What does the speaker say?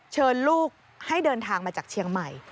เชิญลูกให้เดินทางมาจากเชียงใหม่